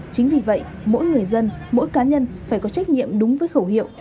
chính vì vậy mỗi người dân mỗi cá nhân phải có trách nhiệm đúng với khẩu hiệu